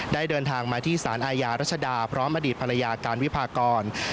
เดินทางมาที่สารอาญารัชดาพร้อมอดีตภรรยาการวิพากร